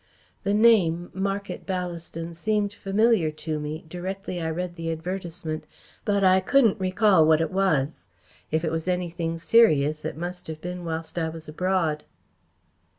The name Market Ballaston seemed familiar to me directly I read the advertisement, but I couldn't recall what it was. If it was anything serious, it must have been whilst I was abroad."